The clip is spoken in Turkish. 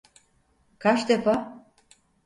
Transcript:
Kaç defa?